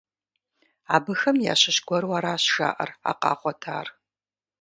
Абыхэм ящыщ гуэру аращ жаӏэр а къагъуэтар.